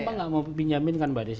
bank nggak mau pinjamin kan mbak desy